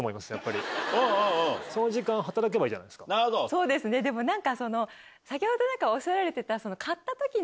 そうですねでも何か先ほどおっしゃられてた。